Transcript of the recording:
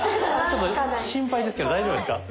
ちょっと心配ですけど大丈夫ですか？